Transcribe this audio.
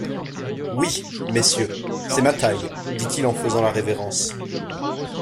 Oui, messieurs, c’est ma taille, dit-il en faisant la révérence.